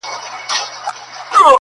ستا هغه ګوته طلایي چیري ده~